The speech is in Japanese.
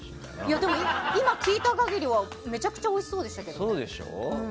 でも、今聞いた限りはめちゃめちゃおいしそうですけどね。